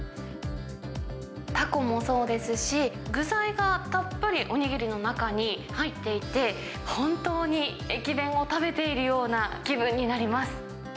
たこもそうですし、具材がたっぷり、お握りの中に入っていて、本当に駅弁を食べているような気分になります。